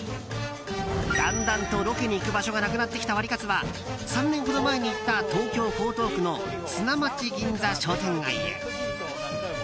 だんだんとロケに行く場所がなくなってきたワリカツは３年ほど前に行った東京・江東区の砂町銀座商店街へ。